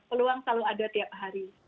peluang selalu ada tiap hari